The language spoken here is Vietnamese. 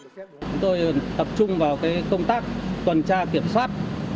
chúng tôi tập trung vào công tác tuần tra kiểm soát